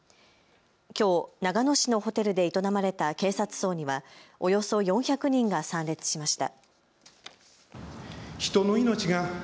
きょう長野市のホテルで営まれた警察葬にはおよそ４００人が参列しました。